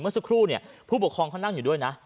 เมื่อสักครู่เนี่ยผู้ปกครองเขานั่งอยู่ด้วยนะ